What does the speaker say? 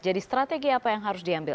jadi strategi apa yang harus diambil